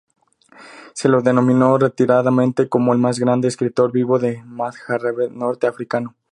Se lo denominó reiteradamente como el más grande escritor, vivo, del Maghreb, norte africano.